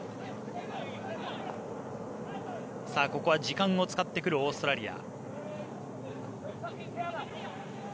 ここは時間を使ってくるオーストラリア。